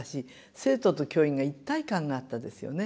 生徒と教員が一体感があったですよね。